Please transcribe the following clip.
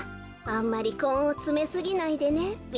あんまりこんをつめすぎないでねべ。